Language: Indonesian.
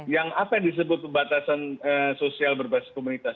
yang apa yang disebut pembatasan sosial berbasis komunitas